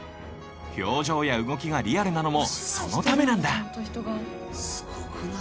表情や動きがリアルなのもそのためなんだすごくない？